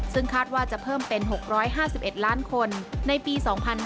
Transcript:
ซึ่งคาดว่าจะเพิ่มเป็น๖๕๑ล้านคนในปี๒๕๕๙